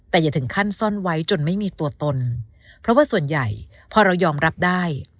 แต่อย่าถึงขั้นซ่อนไว้จนไม่มีตัวตนเพราะว่าส่วนใหญ่พอเรายอมรับได้